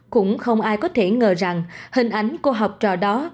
cũng không ai có thể ngờ rằng hình ảnh cô học trò đó